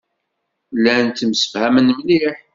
Llan ttemsefhamen mliḥ.